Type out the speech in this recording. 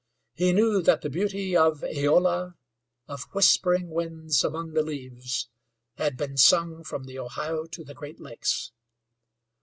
He knew that the beauty of Aola, of Whispering Winds Among the Leaves, had been sung from the Ohio to the Great Lakes.